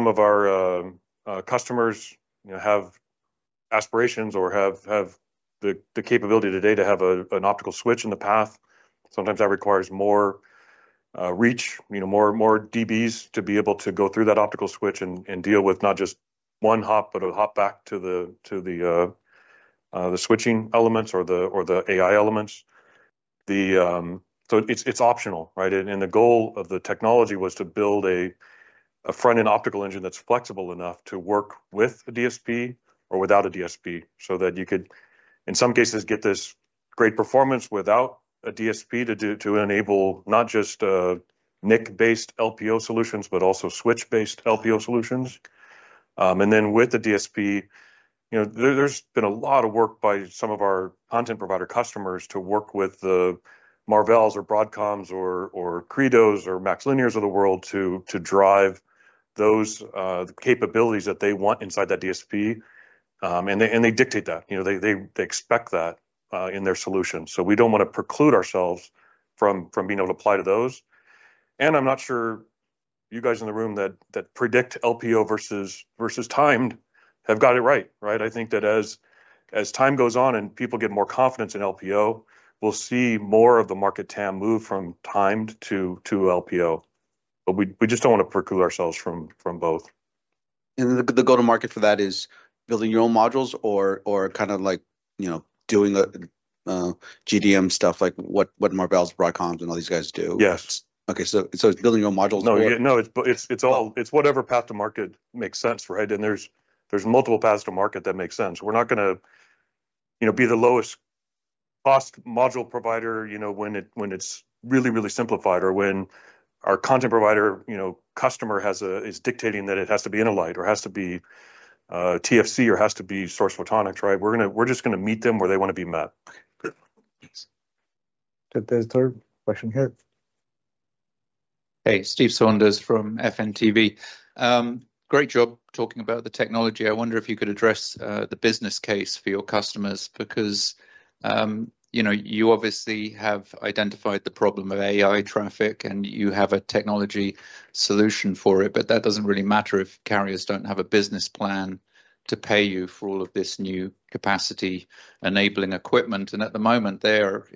of our customers have aspirations or have the capability today to have an optical switch in the path. Sometimes that requires more reach, more dBs to be able to go through that optical switch and deal with not just one hop, but a hop back to the switching elements or the AI elements. It is optional, right? The goal of the technology was to build a front-end optical engine that's flexible enough to work with a DSP or without a DSP so that you could, in some cases, get this great performance without a DSP to enable not just NIC-based LPO solutions, but also switch-based LPO solutions. With the DSP, there's been a lot of work by some of our content provider customers to work with the Marvells or Broadcoms or Credos or MaxLinears of the world to drive those capabilities that they want inside that DSP. They dictate that. They expect that in their solutions. We don't want to preclude ourselves from being able to apply to those. I'm not sure you guys in the room that predict LPO versus timed have got it right, right? I think that as time goes on and people get more confidence in LPO, we'll see more of the market TAM move from timed to LPO. We just do not want to preclude ourselves from both. The go-to-market for that is building your own modules or kind of like doing JDM stuff like what Marvell and Broadcom and all these guys do? Yes. Okay. So it's building your own modules? No, it's whatever path to market makes sense, right? There are multiple paths to market that make sense. We're not going to be the lowest cost module provider when it's really, really simplified or when our content provider customer is dictating that it has to be InnoLight or has to be TFC or has to be Source Photonics, right? We're just going to meet them where they want to be met. Thanks. Third question here. Hey, Steve Saunders from FNTV. Great job talking about the technology. I wonder if you could address the business case for your customers because you obviously have identified the problem of AI traffic and you have a technology solution for it, but that does not really matter if carriers do not have a business plan to pay you for all of this new capacity-enabling equipment. At the moment, they are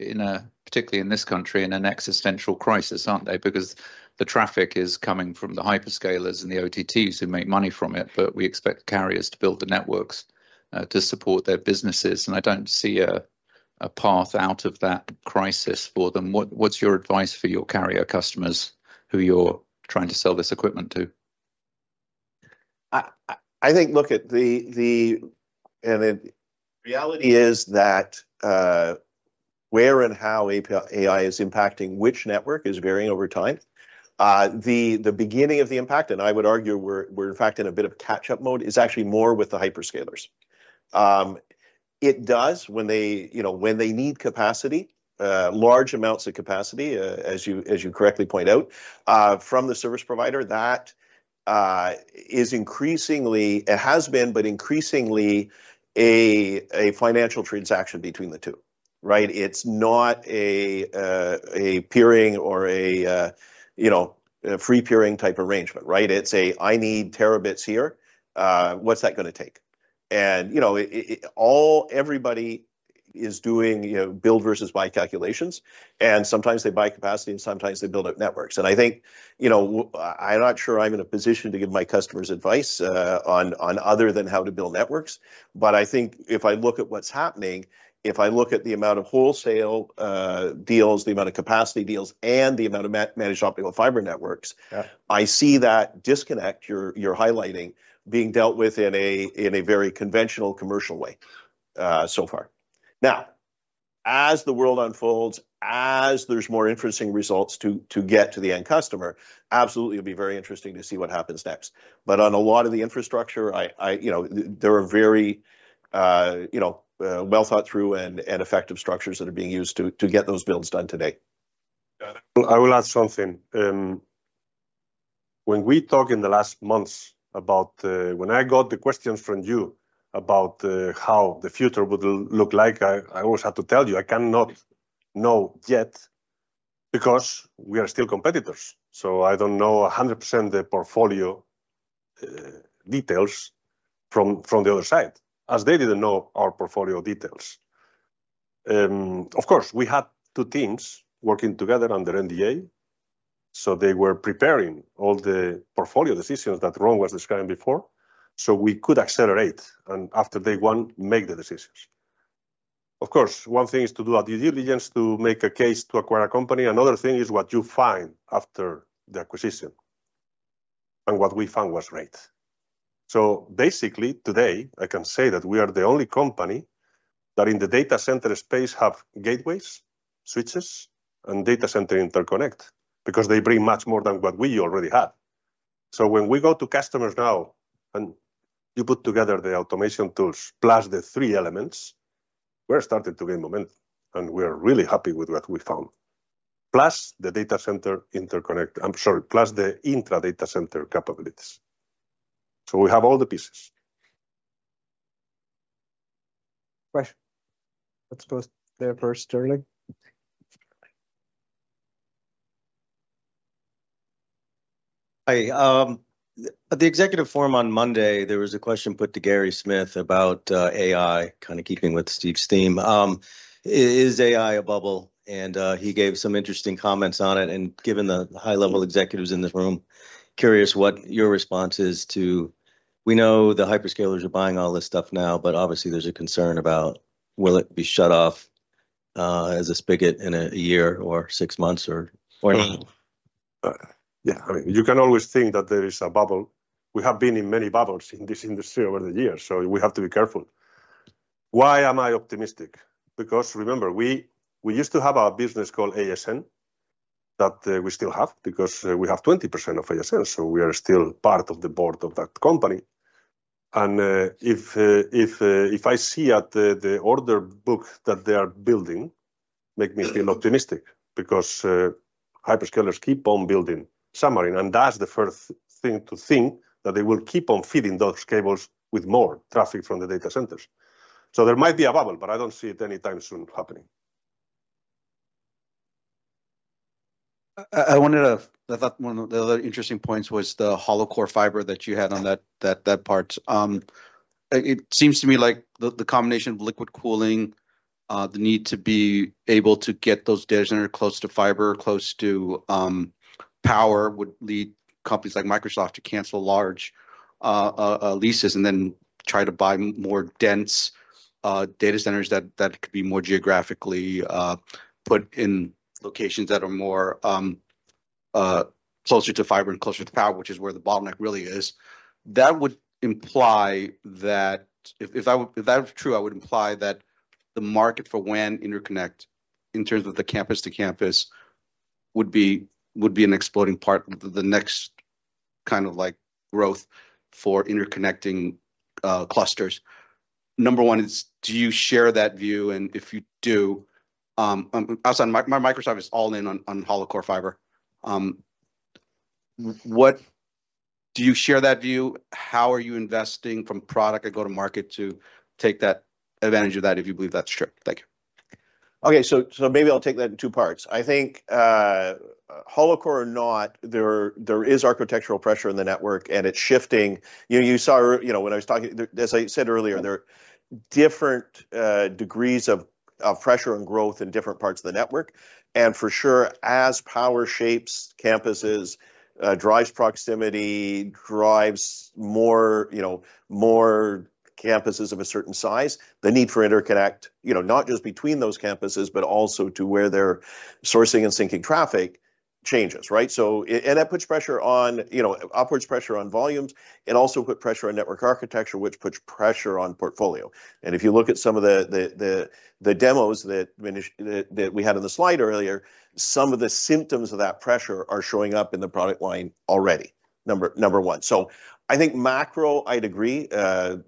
particularly in this country in an existential crisis, are they not? The traffic is coming from the hyperscalers and the OTTs who make money from it, but we expect carriers to build the networks to support their businesses. I do not see a path out of that crisis for them. What is your advice for your carrier customers who you are trying to sell this equipment to? I think, look at the—and the reality is that where and how AI is impacting which network is varying over time. The beginning of the impact, and I would argue we're in fact in a bit of catch-up mode, is actually more with the hyperscalers. It does when they need capacity, large amounts of capacity, as you correctly point out, from the service provider. That is increasingly—it has been, but increasingly a financial transaction between the two, right? It's not a peering or a free peering type arrangement, right? It's a, "I need terabits here. What's that going to take?" Everybody is doing build versus buy calculations. Sometimes they buy capacity and sometimes they build up networks. I think I'm not sure I'm in a position to give my customers advice other than how to build networks. I think if I look at what's happening, if I look at the amount of wholesale deals, the amount of capacity deals, and the amount of managed optical fiber networks, I see that disconnect you're highlighting being dealt with in a very conventional commercial way so far. Now, as the world unfolds, as there's more interesting results to get to the end customer, absolutely, it'll be very interesting to see what happens next. On a lot of the infrastructure, there are very well-thought-through and effective structures that are being used to get those builds done today. I will add something. When we talked in the last months about when I got the questions from you about how the future would look like, I always had to tell you, I cannot know yet because we are still competitors. I don't know 100% the portfolio details from the other side, as they didn't know our portfolio details. Of course, we had two teams working together under NDA. They were preparing all the portfolio decisions that Ron was describing before. We could accelerate and after day one, make the decisions. One thing is to do due diligence to make a case to acquire a company. Another thing is what you find after the acquisition. What we found was great. Basically, today, I can say that we are the only company that in the data center space have gateways, switches, and data center interconnect because they bring much more than what we already have. When we go to customers now and you put together the automation tools plus the three elements, we're starting to gain momentum. We're really happy with what we found. Plus the data center interconnect, I'm sorry, plus the intra-data center capabilities. We have all the pieces. Question. Let's post there first, Jeremy. Hi. At the Executive Forum on Monday, there was a question put to Gary Smith about AI, kind of keeping with Steve's theme. Is AI a bubble? He gave some interesting comments on it. Given the high-level executives in this room, curious what your response is to—we know the hyperscalers are buying all this stuff now, but obviously, there's a concern about will it be shut off as a spigot in a year or six months or not? Yeah. I mean, you can always think that there is a bubble. We have been in many bubbles in this industry over the years. We have to be careful. Why am I optimistic? Because remember, we used to have a business called ASN that we still have because we have 20% of ASN. We are still part of the board of that company. If I see the order book that they are building, it makes me feel optimistic because hyperscalers keep on building submarine. That is the first thing to think that they will keep on feeding those cables with more traffic from the data centers. There might be a bubble, but I do not see it anytime soon happening. I wanted to—the other interesting point was the hollow core fiber that you had on that part. It seems to me like the combination of liquid cooling, the need to be able to get those data centers close to fiber, close to power, would lead companies like Microsoft to cancel large leases and then try to buy more dense data centers that could be more geographically put in locations that are more closer to fiber and closer to power, which is where the bottleneck really is. That would imply that if that was true, it would imply that the market for WAN interconnect in terms of the campus-to-campus would be an exploding part of the next kind of growth for interconnecting clusters. Number one is, do you share that view? And if you do, my Microsoft is all in on hollow core fiber. Do you share that view? How are you investing from product to go to market to take advantage of that if you believe that's true? Thank you. Okay. Maybe I'll take that in two parts. I think hollow core or not, there is architectural pressure in the network, and it's shifting. You saw when I was talking, as I said earlier, there are different degrees of pressure and growth in different parts of the network. For sure, as power shapes campuses, drives proximity, drives more campuses of a certain size, the need for interconnect, not just between those campuses, but also to where they're sourcing and syncing traffic changes, right? That puts pressure on upwards pressure on volumes. It also puts pressure on network architecture, which puts pressure on portfolio. If you look at some of the demos that we had on the slide earlier, some of the symptoms of that pressure are showing up in the product line already, number one. I think macro, I'd agree.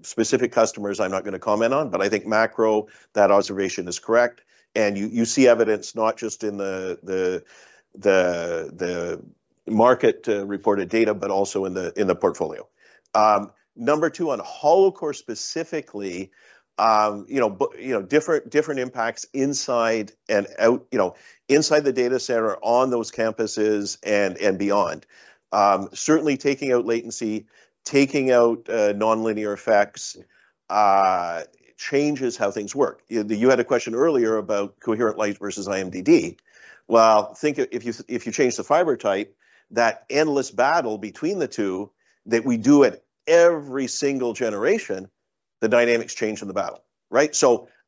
Specific customers, I'm not going to comment on, but I think macro, that observation is correct. You see evidence not just in the market reported data, but also in the portfolio. Number two, on hollow core specifically, different impacts inside and out, inside the data center on those campuses and beyond. Certainly, taking out latency, taking out non-linear effects changes how things work. You had a question earlier about coherent light versus IMDD. Think if you change the fiber type, that endless battle between the two that we do at every single generation, the dynamics change in the battle, right?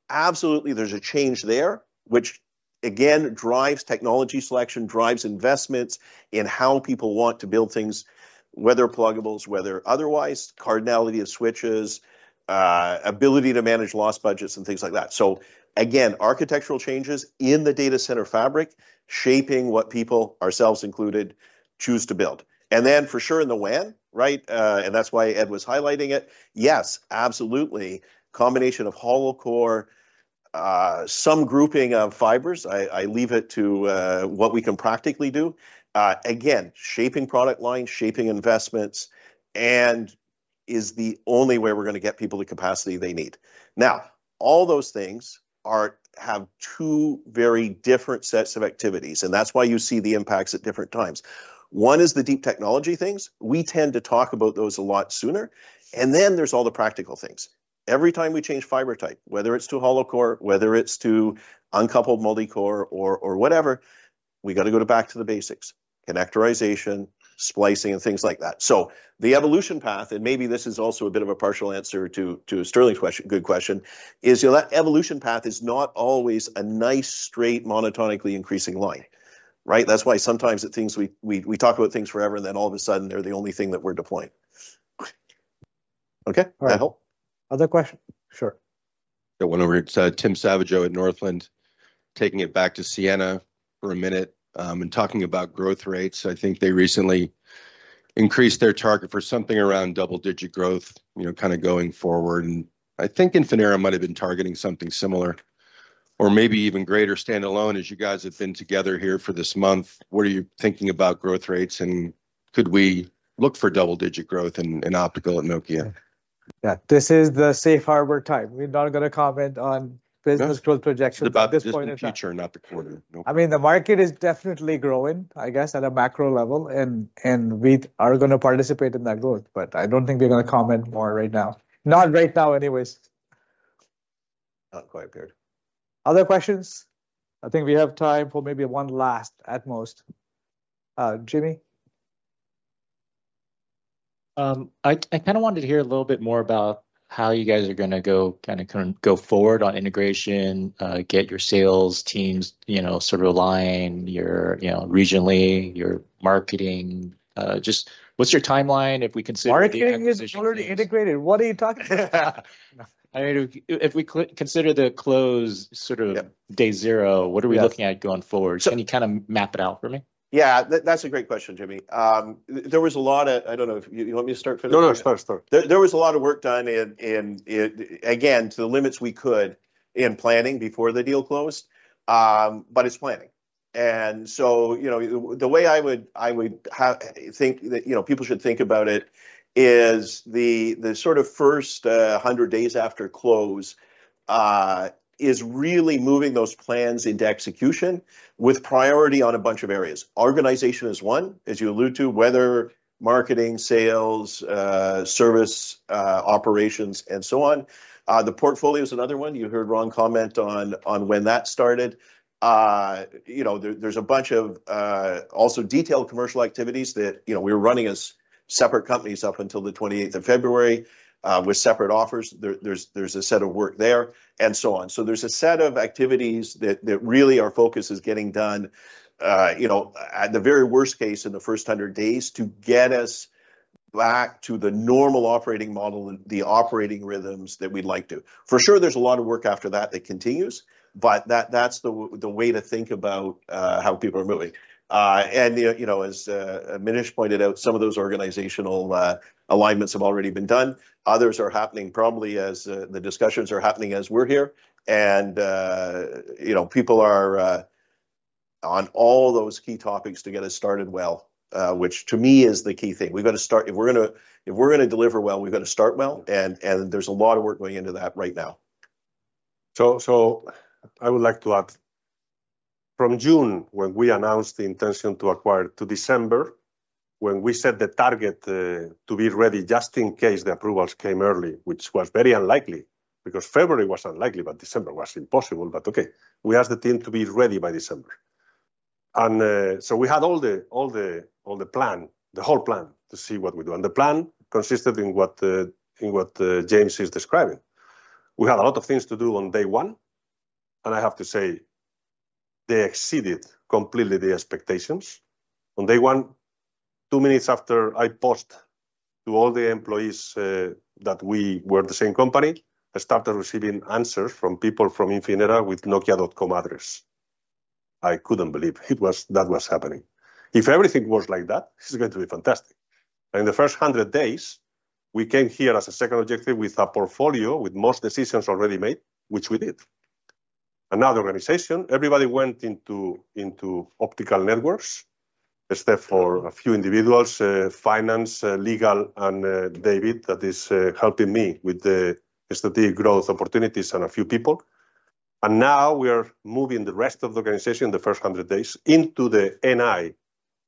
Absolutely, there's a change there, which again drives technology selection, drives investments in how people want to build things, whether pluggable, whether otherwise, cardinality of switches, ability to manage loss budgets, and things like that. Again, architectural changes in the data center fabric shaping what people, ourselves included, choose to build. For sure in the WAN, right? That's why Ed was highlighting it. Yes, absolutely. Combination of hollow core, some grouping of fibers. I leave it to what we can practically do. Again, shaping product line, shaping investments, and is the only way we're going to get people the capacity they need. Now, all those things have two very different sets of activities. That's why you see the impacts at different times. One is the deep technology things. We tend to talk about those a lot sooner. Then there's all the practical things. Every time we change fiber type, whether it is to hollow core, whether it is to uncoupled multi-core or whatever, we got to go back to the basics, connectorization, splicing, and things like that. The evolution path, and maybe this is also a bit of a partial answer to Sterling's good question, is that evolution path is not always a nice straight monotonically increasing line, right? That is why sometimes we talk about things forever, and then all of a sudden, they are the only thing that we are deploying. Okay? That help? Other question? Sure. I went over to Tim Savageaux at Northland, taking it back to Ciena for a minute and talking about growth rates. I think they recently increased their target for something around double-digit growth, kind of going forward. I think Infinera might have been targeting something similar or maybe even greater standalone as you guys have been together here for this month. What are you thinking about growth rates? Could we look for double-digit growth in optical at Nokia? Yeah. This is the safe hardware type. We're not going to comment on business growth projections at this point. This is the future, not the quarter. I mean, the market is definitely growing, I guess, at a macro level. We are going to participate in that growth. I do not think they're going to comment more right now. Not right now anyways. Not quite good. Other questions? I think we have time for maybe one last at most. Jimmy? I kind of wanted to hear a little bit more about how you guys are going to go forward on integration, get your sales teams sort of aligned regionally, your marketing. Just what's your timeline if we consider integration? Marketing is already integrated. What are you talking about? I mean, if we consider the close sort of day zero, what are we looking at going forward? Can you kind of map it out for me? Yeah. That's a great question, Jimmy. There was a lot of—I don't know if you want me to start for the first time. There was a lot of work done in, again, to the limits we could in planning before the deal closed. But it's planning. The way I would think that people should think about it is the sort of first 100 days after close is really moving those plans into execution with priority on a bunch of areas. Organization is one, as you alluded to, whether marketing, sales, service operations, and so on. The portfolio is another one. You heard Ron comment on when that started. There is a bunch of also detailed commercial activities that we were running as separate companies up until the 28th of February with separate offers. There is a set of work there and so on. There is a set of activities that really our focus is getting done at the very worst case in the first 100 days to get us back to the normal operating model and the operating rhythms that we would like to. For sure, there's a lot of work after that that continues, but that's the way to think about how people are moving. As Manish pointed out, some of those organizational alignments have already been done. Others are happening probably as the discussions are happening as we're here. People are on all those key topics to get us started well, which to me is the key thing. We've got to start. If we're going to deliver well, we've got to start well. There's a lot of work going into that right now. I would like to add from June when we announced the intention to acquire to December when we set the target to be ready just in case the approvals came early, which was very unlikely because February was unlikely, but December was impossible. Okay, we asked the team to be ready by December. We had all the plan, the whole plan to see what we do. The plan consisted in what James is describing. We had a lot of things to do on day one. I have to say they exceeded completely the expectations. On day one, two minutes after I post to all the employees that we were the same company, I started receiving answers from people from Infinera with Nokia.com address. I could not believe that was happening. If everything was like that, it is going to be fantastic. In the first 100 days, we came here as a second objective with a portfolio with most decisions already made, which we did. Another organization, everybody went into optical networks, except for a few individuals, finance, legal, and David that is helping me with the strategic growth opportunities and a few people. We are moving the rest of the organization in the first 100 days into the NI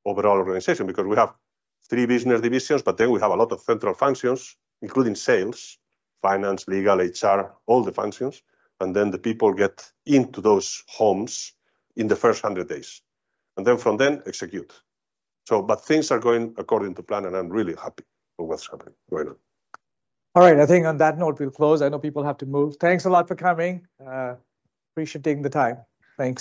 overall organization because we have three business divisions, but then we have a lot of central functions, including sales, finance, legal, HR, all the functions. The people get into those homes in the first 100 days. From then, execute. Things are going according to plan, and I'm really happy with what's happening right now. All right. I think on that note, we'll close. I know people have to move. Thanks a lot for coming. Appreciate taking the time. Thanks.